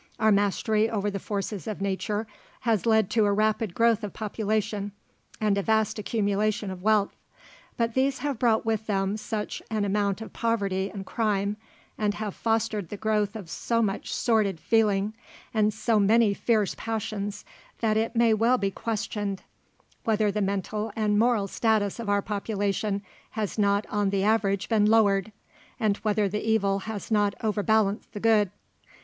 Our mastery over the forces of mature has led to a rapid growth of population, and a vast accumulation of wealth; but these have brought with them such au amount of poverty and crime, and have fostered the growth of so much sordid feeling and so many fierce passions, that it may well be questioned, whether the mental and moral status of our population has not on the average been lowered, and whether the evil has not overbalanced the good.